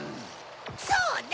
そうだ！